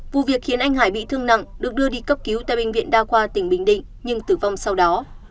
vụ việc khiến anh hải bị thương nặng được đưa đi cấp cứu tại bệnh viện đa khoa tỉnh bình định nhưng tử vong sau đó